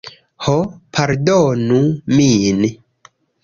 "Ho, pardonu min.